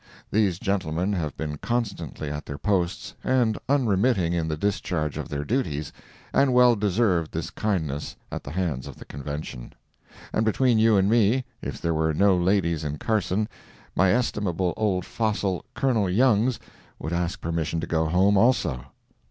These gentlemen have been constantly at their posts, and unremitting in the discharge of their duties, and well deserved this kindness at the hands of the Convention. And between you and me, if there were no ladies in Carson, my estimable old fossil, Colonel Youngs, would ask permission to go home, also.